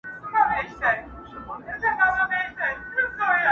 د وروستي مني مي یو څو پاڼي پر کور پاته دي٫